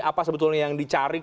apa sebetulnya yang dicari